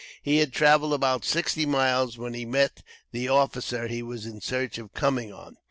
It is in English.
He had traveled about sixty miles when he met the officer he was in search of coming on.